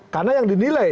karena yang dinilai